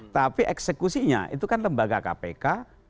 tapi eksekusinya itu kan lembaga kpk